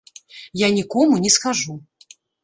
Я нікому не скажу.